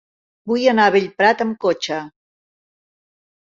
Vull anar a Bellprat amb cotxe.